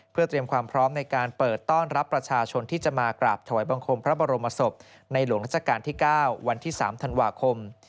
เพื่อเตรียมความพร้อมในการเปิดต้อนรับประชาชนที่จะมากราบถวายบังคมพระบรมศพในหลวงราชการที่๙วันที่๓ธันวาคม